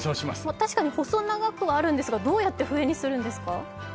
確かに細長くはあるんですが、どうやって笛にするんですか？